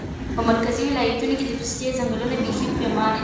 په مرکزي ولایتونو کې د پوستې ځنګلونه پیخي پرېمانه دي